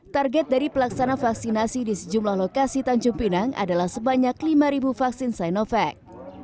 target dari pelaksana vaksinasi di sejumlah lokasi tanjung pinang adalah sebanyak lima vaksin sinovac